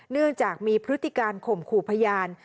เนื่องจากมีพฤติการข่มขู่พยาน